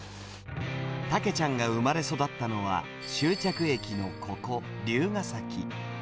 たけちゃんが生まれ育ったのは、終着駅のここ、龍ケ崎。